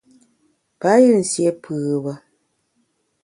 Payù nsié pùbe.